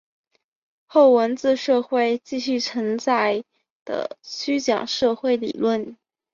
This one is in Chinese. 后文字社会继续存在的虚讲社会理论。